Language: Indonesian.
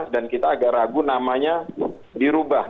dan kita agak ragu namanya dirubah